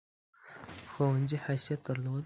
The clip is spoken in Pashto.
ښوونځي حیثیت درلود.